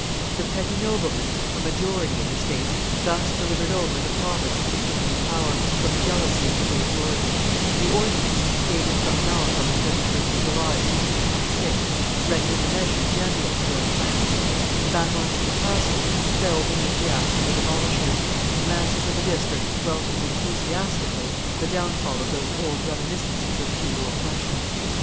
The petty noblemen, a majority in the states, thus delivered over the province to the kingly power, from jealousy of the great lords. The ordinance, dated from Nantes on the 31st of July, 1626, rendered the measure general throughout France. The battlements of the castles fell beneath the axe of the demolishers, and the masses of the district welcomed enthusiastically the downfall of those old reminiscences of feudal oppression.